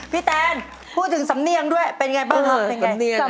พี่แตนพูดถึงสำเนียงด้วยเป็นไงบ้างครับ